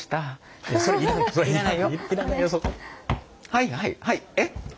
はいはいはいえっ？